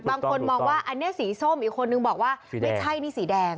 บางคนมองว่าอันนี้สีส้มอีกคนนึงบอกว่าไม่ใช่นี่สีแดง